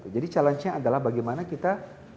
jadi challenge nya adalah bagaimana kita